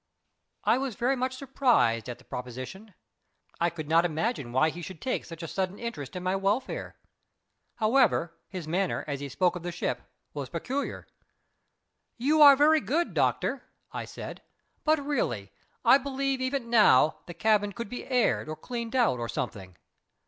I was very much surprised at the proposition. I could not imagine why he should take such a sudden interest in my welfare. However, his manner, as he spoke of the ship, was peculiar. "You are very good, doctor," I said. "But, really, I believe even now the cabin could be aired, or cleaned out, or something.